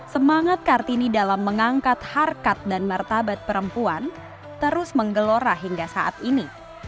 semangat kartini dalam mengangkat harkat dan martabat perempuan terus menggelora hingga saat ini